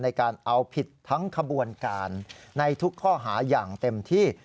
ในการเอาผิดทั้งขบวนการในทุกข้อหาอย่างเต็มที่